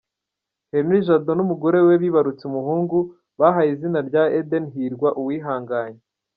Henri Jado n’umugore we bibarutse umuhungu bahaye izina rya Eden Hirwa Uwihanganye.